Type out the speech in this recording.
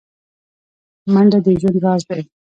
منډه د ژوند راز دی